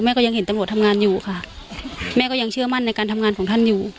ก็ยังเห็นตำรวจทำงานอยู่ค่ะแม่ก็ยังเชื่อมั่นในการทำงานของท่านอยู่